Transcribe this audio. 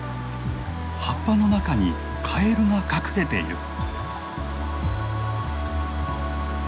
葉っぱの中にカエルが隠れている。